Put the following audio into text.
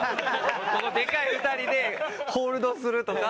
このデカい２人でホールドするとか。